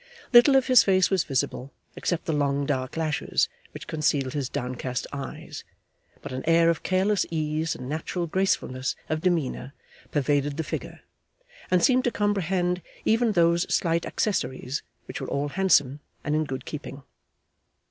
Little of his face was visible, except the long dark lashes which concealed his downcast eyes, but an air of careless ease and natural gracefulness of demeanour pervaded the figure, and seemed to comprehend even those slight accessories, which were all handsome, and in good keeping.